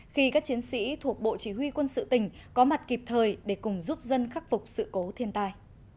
khi các chiến sĩ thuộc bộ chỉ huy quân sự tỉnh có mặt kịp thời để cùng giúp dân khắc phục sự cố thiên tai